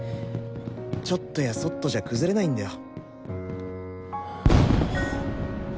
ちょっとやそっとじゃ崩れないんだよ。